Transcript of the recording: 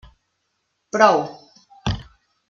Prou!